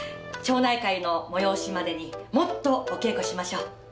町内会の催しまでにもっとお稽古しましょう。